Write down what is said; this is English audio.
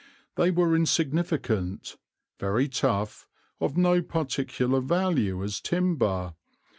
They were insignificant, very tough, of no particular value as timber.